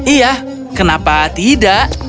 iya kenapa tidak